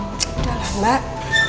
udah lah mbak